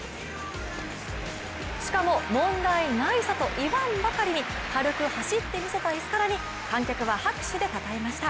しかも、問題ないさと言わんばかりに軽く走ってみせたエスカラに観客は拍手でたたえました。